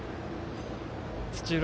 土浦